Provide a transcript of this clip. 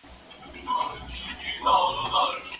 ځيني له پريشانيو او ناروغيو وروسته خوښ او روغ سول.